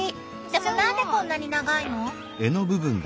でも何でこんなに長いの？